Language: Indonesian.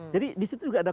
jadi disitu juga ada